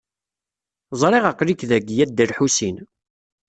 Ẓriɣ aql-ik dagi, a Dda Lḥusin.